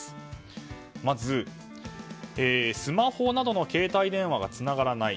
まずスマホなどの携帯電話がつながらない